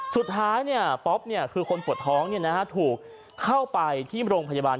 สุดท้ายป๊อปคือคนปวดท้องถูกเข้าไปที่โรงพยาบาล